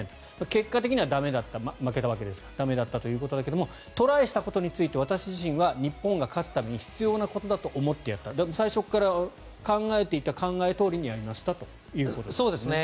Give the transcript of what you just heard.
結果的には駄目だったがトライしたことについて私自身は日本が勝つために必要なことだと思ってやった最初から考えていた考えのとおりにやりましたということですね。